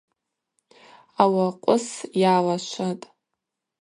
Ауакъвыс йалашватӏ.